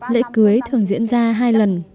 lễ cưới thường diễn ra hai lần